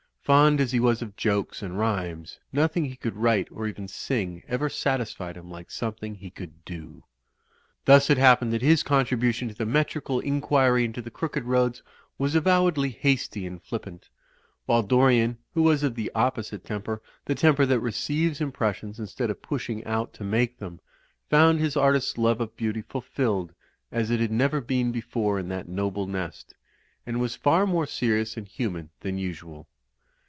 Fond as he was of jokes and rhymes, nothing he could write or even sing ever satisfied him like something he could do. Thus it happened that his contribution to the metri cal inquiry into the crooked roads wa^^avo^^dly hasty THE ROAD TO ROUNDABOUT 269 and flippant While Dorian who was of the opposite temper, the temper that receives impressions instead of pushing out to make them, found his artist's love of beauty fulfilled as it had never been before in that noble nest ; and was far more serious and human than usual.